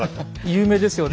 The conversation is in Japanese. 有名ですよね。